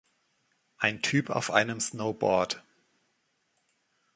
Ein Typ auf einem Snowboard